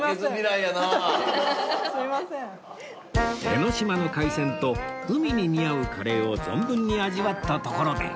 江の島の海鮮と海に似合うカレーを存分に味わったところで